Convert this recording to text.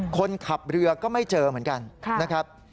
คนขับเรือก็ไม่เจอเหมือนกันนะครับ